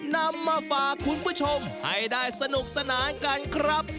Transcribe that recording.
นำมาฝากคุณผู้ชมให้ได้สนุกสนานกันครับ